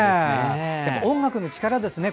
音楽の力ですね